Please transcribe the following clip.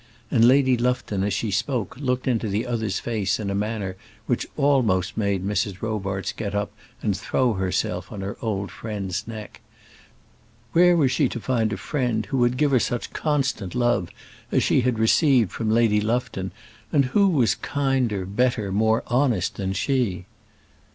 and Lady Lufton as she spoke looked into the other's face in a manner which almost made Mrs. Robarts get up and throw herself on her old friend's neck. Where was she to find a friend who would give her such constant love as she had received from Lady Lufton? And who was kinder, better, more honest than she?